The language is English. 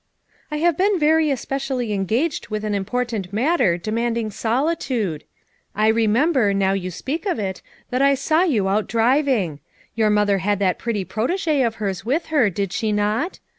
"I have been very especially engaged with an important matter demanding solitude. I 186 FOUR MOTHERS AT CHAUTAUQUA remember, now you speak of it, that I saw you out driving. Tour mother had that pretty protegee of hers with her, did she not?